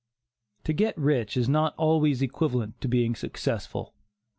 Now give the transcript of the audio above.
To get rich, is not always equivalent to being successful.